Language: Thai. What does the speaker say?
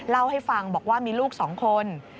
เล่าให้ฟังบอกว่ามีลูก๒คน